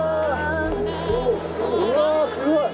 うわーすごい！